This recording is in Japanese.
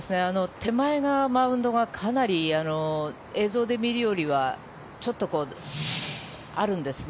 手前がマウンドがかなり映像で見るよりはちょっとあるんですね。